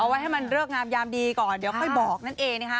ไว้ให้มันเริกงามยามดีก่อนเดี๋ยวค่อยบอกนั่นเองนะคะ